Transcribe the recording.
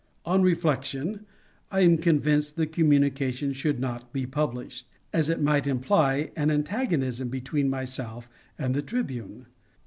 On reflection I am convinced the communication should not be published, as it might imply an antagonism between myself and the Tribune.